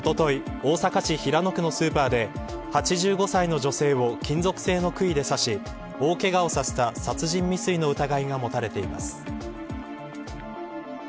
大阪市平野区のスーパーで８５歳の女性を金属製の杭で刺し大けがをさせた殺人未遂の疑いが持たれています。